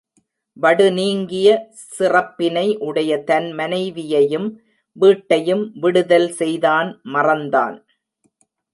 வடு நீங்கிய சிறப்பினை உடைய தன் மனைவியையும், வீட்டையும் விடுதல் செய்தான் மறந்தான்.